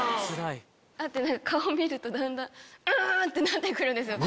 顔見るとだんだんう！ってなって来るんですよ。